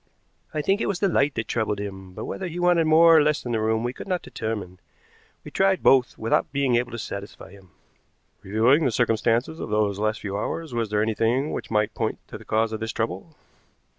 "I think it was the light that troubled him, but whether he wanted more or less in the room we could not determine. We tried both without being able to satisfy him." "Reviewing the circumstances of those last few hours, was there anything which might point to the cause of this trouble?"